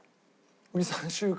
２３週間。